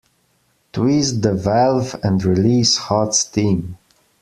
Twist the valve and release hot steam.